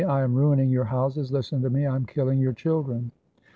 I am ruining your houses. Listen to me! I am killing your children."